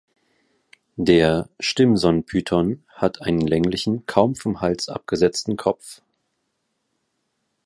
Der Stimson-Python hat einen länglichen, kaum vom Hals abgesetzten Kopf.